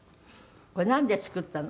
これ何で作ったの？